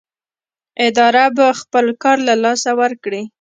اداره به خپل کار له لاسه ورکړي.